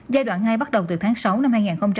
giai đoạn hai bắt đầu từ tháng sáu năm hai nghìn hai mươi